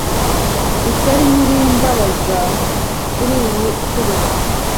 Ishyari ntirimbabaza kuriyi nshuro -